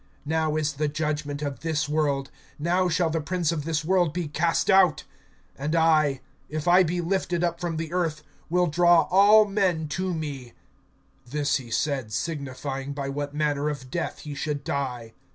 (31)Now is the judgment of this world; now shall the prince of this world be cast out. (32)And I, if I be lifted up from the earth, will draw all men to me. (33)This he said, signifying by what manner of death he should die.